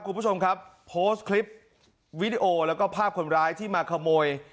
คุณผู้ชมครับโพสต์คลิปวิดีโอแล้วก็ภาพคนร้ายที่มาขโมย